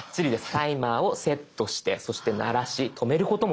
タイマーをセットしてそして鳴らし止めることもできました。